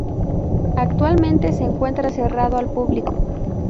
Actualmente se encuentra cerrado al público.